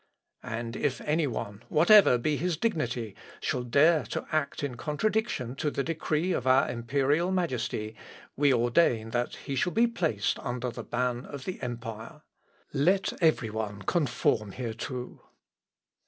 "And if any one, whatever be his dignity, shall dare to act in contradiction to the decree of our imperial Majesty, we ordain that he shall be placed under the ban of the empire. "Let every one conform hereto."